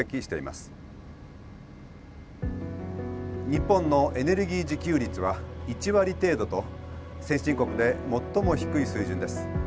日本のエネルギー自給率は１割程度と先進国で最も低い水準です。